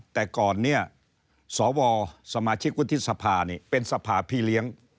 แต่ก่อนเนี่ยสวสมาชิกวุฒิสภาเป็นสภาพี่เลี้ยง